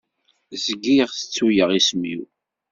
Zgiɣ tettuyeɣ isem-is.